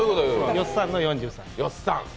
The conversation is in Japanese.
よっさんの４３。